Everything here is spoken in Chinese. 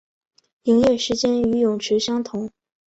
营业时间与泳池相同。